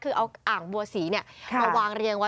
คือเอาอ่างบัวสีมาวางเรียงไว้